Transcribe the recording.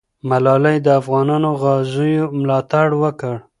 ملالۍ د افغانو غازیو ملاتړ وکړ.